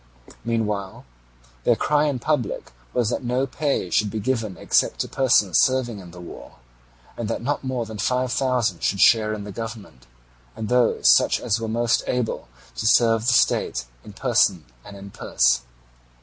Meanwhile their cry in public was that no pay should be given except to persons serving in the war, and that not more than five thousand should share in the government, and those such as were most able to serve the state in person and in purse.